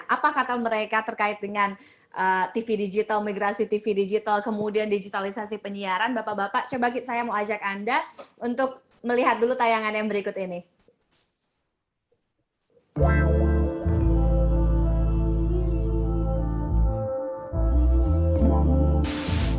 apa kata mereka terkait dengan tv digital migrasi tv digital kemudian digitalisasi penyiaran bapak bapak coba saya mau ajak anda untuk melihat dulu tayangan yang berikut ini